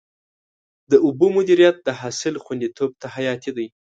د اوبو مدیریت د حاصل خوندیتوب ته حیاتي دی.